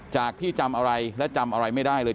จากที่จำอะไรและจำอะไรไม่ได้เลย